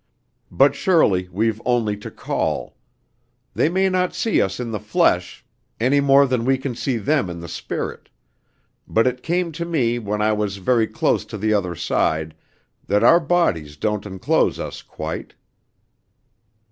But surely we've only to call. They may not see us in the flesh, any more than we can see them in the spirit; but it came to me when I was very close to the other side, that our bodies don't enclose us quite.